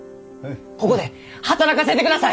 ここで働かせてください！